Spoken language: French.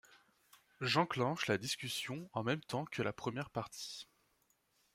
J’enclenche la discussion en même temps que la première partie.